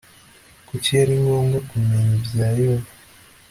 kuki ari ngombwa kumenya ibya yehova